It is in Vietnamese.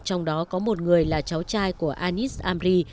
trong đó có một người là cháu trai của anis amri